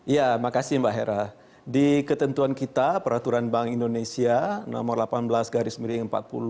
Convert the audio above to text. ya makasih mbak hera di ketentuan kita peraturan bank indonesia nomor delapan belas garis miring empat puluh lima